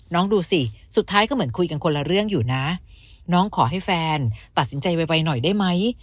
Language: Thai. ดูสิสุดท้ายก็เหมือนคุยกันคนละเรื่องอยู่นะน้องขอให้แฟนตัดสินใจไวหน่อยได้ไหม